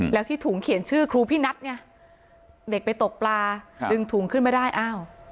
แล้วที่ถุงเขียนชื่อครูพี่นัทไงเด็กไปตกปลาดึงถุงขึ้นมาได้อ้าว